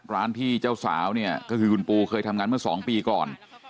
ร้านที่เจ้าสาวเนี่ยก็คือคุณปูเคยทำงานเมื่อ๒ปีก่อน